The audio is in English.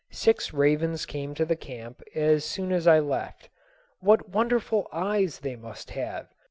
Six ravens came to the camp as soon as I left. What wonderful eyes they must have!